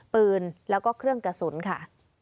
ปืนแล้วก็เครื่องกระสุนค่ะ